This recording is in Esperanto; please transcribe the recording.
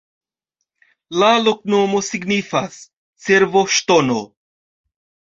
La loknomo signifas: cervo-ŝtono.